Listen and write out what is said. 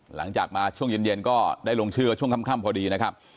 หลังจากมาช่วงเย็นก็ได้ลงชื่อช่วงค่ำพอดีนะครับ